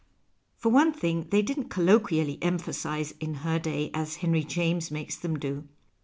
For one thing, they didn't colloquially emphasize in her day as Henry James makes them do.